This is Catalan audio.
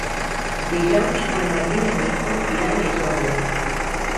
Dijous en Martí i en Nico iran a Isòvol.